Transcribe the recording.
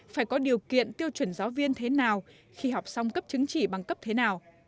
phải có điều kiện tiêu chuẩn giáo viên thế nào khi học xong cấp chứng chỉ bằng cấp thế nào